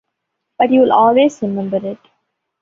But you will always remember it!